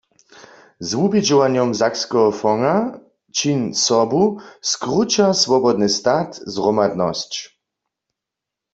Z wubědźowanjom Sakskeho fondsa "Čiń sobu" skruća swobodny stat zhromadnosć.